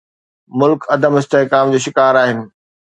ملڪ عدم استحڪام جو شڪار آهن.